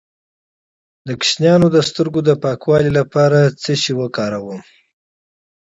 د ماشوم د سترګو د پاکوالي لپاره څه شی وکاروم؟